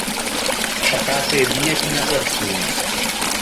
Sciaccâse e die con unna persoña.